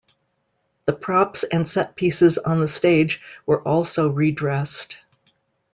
The props and set pieces on the stage were also redressed.